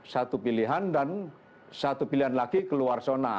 satu pilihan dan satu pilihan lagi keluar sona